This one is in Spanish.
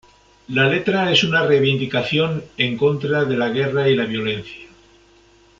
La letra es una reivindicación en contra de la guerra y la violencia.